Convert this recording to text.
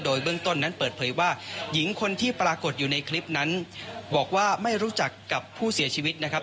โดยเบื้องต้นนั้นเปิดเผยว่าหญิงคนที่ปรากฏอยู่ในคลิปนั้นบอกว่าไม่รู้จักกับผู้เสียชีวิตนะครับ